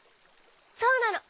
そうなの。